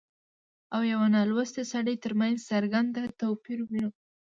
او يوه نالوستي سړي ترمنځ څرګند توپير وينو